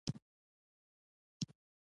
تر هغې مه پرېږده.